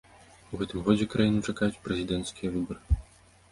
У гэтым годзе краіну чакаюць прэзідэнцкія выбары.